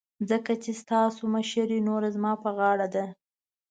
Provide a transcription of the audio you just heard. ځکه چې ستاسو مشرې نوره زما په غاړه ده.